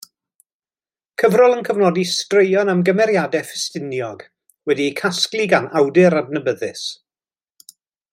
Cyfrol yn cofnodi straeon am gymeriadau Ffestiniog, wedi eu casglu gan awdur adnabyddus.